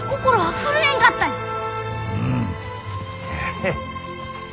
ヘッ。